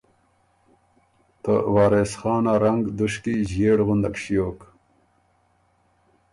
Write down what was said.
ته وارث خان ا رنګ دُشکی ݫئېړ غُندک ݭیوک۔